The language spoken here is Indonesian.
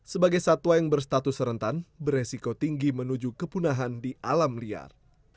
sebagai satwa yang berstatus rentan beresiko tinggi menuju kepunahan di alam liar